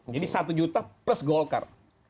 jadi satu juta plus golkar